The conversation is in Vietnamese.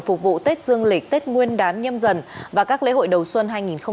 phục vụ tết dương lịch tết nguyên đán nhâm dần và các lễ hội đầu xuân hai nghìn hai mươi bốn